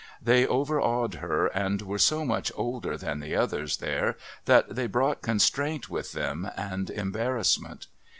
They overawed her and were so much older than the others there that they brought constraint with them and embarrassment.